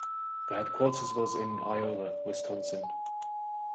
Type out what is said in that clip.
The headquarters was in Iola, Wisconsin.